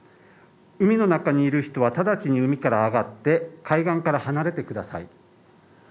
海の中にいる人は直ちに海から上がって海岸から離れてください。